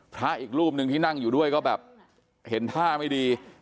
พระอีกรูปหนึ่งที่นั่งอยู่ด้วยก็แบบเห็นท่าไม่ดี